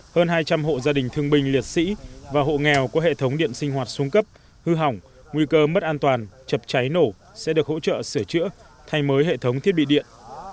hơn hai trăm linh hộ gia đình thương binh liệt sĩ và hộ nghèo có hệ thống điện sinh hoạt xuống cấp hư hỏng nguy cơ mất an toàn chập cháy nổ sẽ được hỗ trợ sửa chữa thay mới hệ thống thiết bị điện